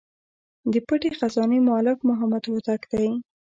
د پټي خزانې مؤلف محمد هوتک دﺉ.